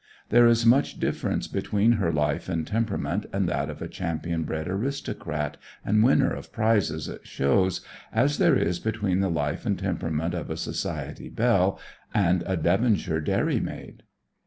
There is as much difference between her life and temperament and that of a champion bred aristocrat and winner of prizes at shows as there is between the life and temperament of a society belle and a Devonshire dairymaid.